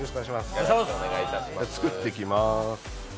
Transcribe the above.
作っていきまーす。